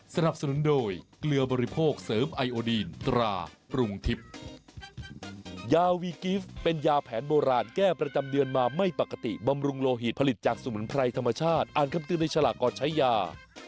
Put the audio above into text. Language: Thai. สนับสนุนโดยเกลือบริโภคเสริมไอโอดีนตราปรุงทิพย์ยาวีกิฟต์เป็นยาแผนโบราณแก้ประจำเดือนมาไม่ปกติบำรุงโลหิตผลิตจากสมุนไพรธรรมชาติอ่านคำเตือนในฉลากก่อนใช้ยา